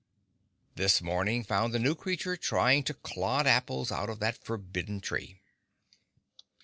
This morning found the new creature trying to clod apples out of that forbidden tree.